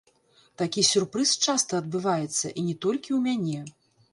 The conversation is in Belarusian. Такі сюрпрыз часта адбываецца, і не толькі ў мяне.